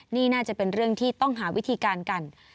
นี่น่าจะเป็นเรื่องที่ต้องหาวิธีการกัน